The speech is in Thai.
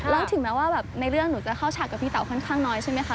แล้วถึงแม้ว่าแบบในเรื่องหนูจะเข้าฉากกับพี่เต๋าค่อนข้างน้อยใช่ไหมคะ